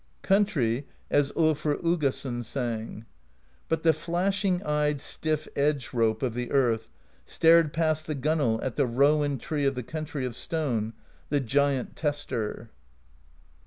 Country, as tJlfr Uggason sang: But the flashing eyed stifF Edge Rope Of the Earth stared past the gunwale At the Rowan Tree of the Country Of Stone, the Giant Tester.